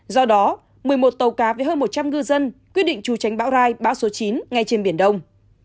do đó một mươi một tàu cá với hơn một trăm linh ngư dân quyết định trù tránh bão rai bão số chín ngay trên biển đông